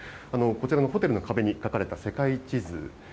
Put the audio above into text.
こちらのホテルの壁にかかれた世界地図。